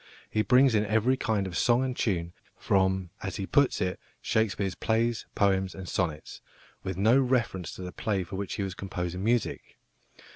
He brings in every kind of song and tune, from, as he puts it, "Shakespeare's Plays, Poems, and Sonnets," with no reference to the play for which he was composing music.